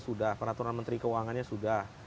sudah peraturan menteri keuangannya sudah